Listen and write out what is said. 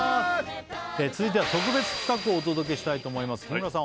続いてはをお届けしたいと思います日村さん